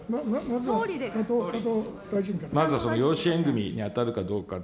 まずは養子縁組みに当たるかどうかと。